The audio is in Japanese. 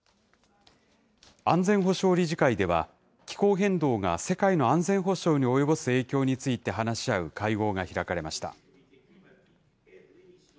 安全保障理事会では気候変動が世界の安全保障に及ぼす影響について話し合う会合が開かれました。